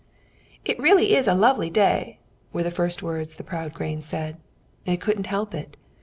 "It really is a lovely day," were the first words the proud grain said. It couldn't help it.